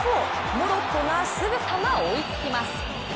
モロッコがすぐさま追いつきます。